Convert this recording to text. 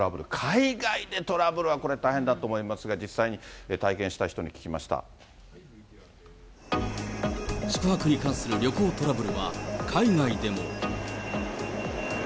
海外でトラブルはこれ、大変だと思いますが、実際に体験した人に宿泊に関する旅行トラブルは、海外でも。